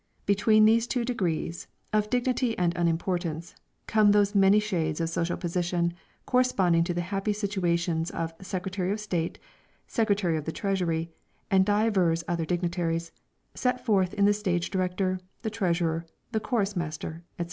Between these two degrees, of dignity and unimportance, come those many shades of social position corresponding to the happy situations of Secretary of State, Secretary of the Treasury, and divers other dignitaries, set forth in the stage director, the treasurer, the chorus master, &c.